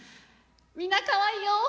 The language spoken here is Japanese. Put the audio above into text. みんな、かわいいよ！